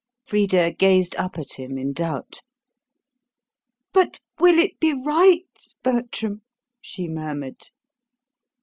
Frida gazed up at him in doubt. "But will it be RIGHT, Bertram?" she murmured.